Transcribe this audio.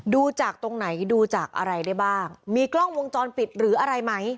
ดูจากตรงไหนดูจากอะไรได้บ้างมีกล้องวงจรปิดหรืออะไรไหม